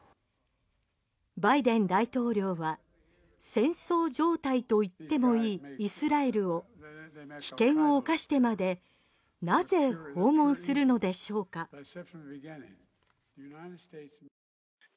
バイデン大統領は戦争状態と言ってもいいイスラエルを危険を冒してまでなぜ訪問するのでしょうかね。